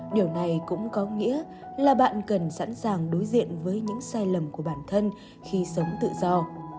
điều này cũng có nghĩa là bạn cần sẵn sàng đối diện với những sai lầm của bản thân khi sống tự do